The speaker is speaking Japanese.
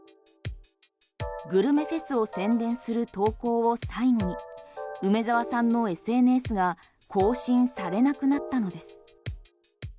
グルメフェスを宣伝する投稿を最後に梅澤さんのＳＮＳが更新されなくなったのです。